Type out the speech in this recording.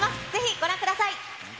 ご覧ください。